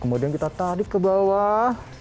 kemudian kita tarik ke bawah